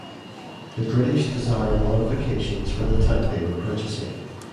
The British desired modifications for the tank they were purchasing.